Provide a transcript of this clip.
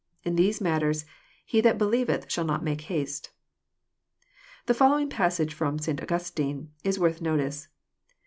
In these matters he that believeth shall not make haste." The following passage flrom Augustine (De conjug. Adult.) is worth notice.